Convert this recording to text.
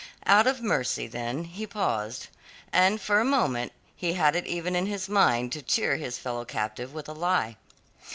Out of mercy then he paused, and for a moment he had it even in his mind to cheer his fellow captive with a lie.